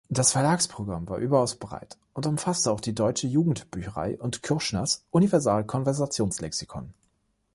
Das Verlagsprogramm war überaus breit und umfasste auch die Deutsche Jugendbücherei und Kürschners Universal-Konversations-Lexikon.